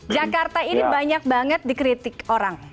jakarta ini banyak banget dikritik orang